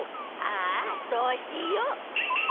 ああそうしよう。